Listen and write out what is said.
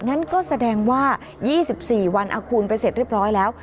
งั้นก็แสดงว่า๒๔วันเอาคูณไปเสร็จเรียบร้อยแล้ว